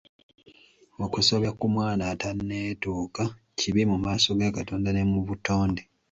Okusobya ku mwana atanneetuuka kibi mu maaso ga Katonda ne mu butonde.